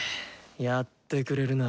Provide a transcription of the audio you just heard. やってくれるな。